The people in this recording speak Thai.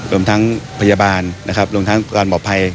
รวมทั้งพยาบาลรวมทั้งการปลอดภัย